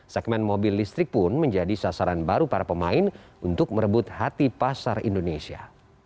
segmen mobil listrik pun menjadi sasaran baru para pemain untuk merebut hati pasar indonesia